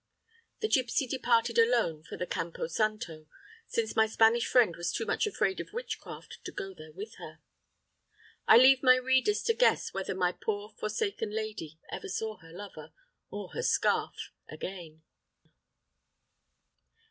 The gipsy departed alone for the Campo Santo, since my Spanish friend was too much afraid of witchcraft to go there with her. I leave my readers to guess whether my poor forsaken lady ever saw her lover, or her scarf, again.